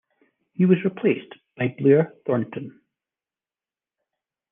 He was replaced by Blair Thornton.